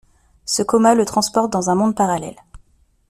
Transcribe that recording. Ce coma le transporte dans un monde parallèle.